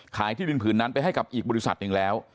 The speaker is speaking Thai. ที่ดินผืนนั้นไปให้กับอีกบริษัทหนึ่งแล้ว